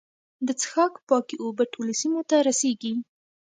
د څښاک پاکې اوبه ټولو سیمو ته رسیږي.